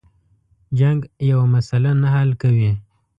جنگ یوه مسله نه حل کوي.